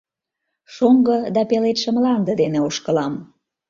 Шоҥго да пеледше мланде дене Ошкылам…